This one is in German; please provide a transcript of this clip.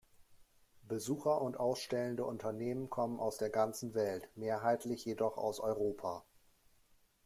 Besucher und ausstellende Unternehmen kommen aus der ganzen Welt, mehrheitlich jedoch aus Europa.